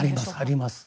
あります。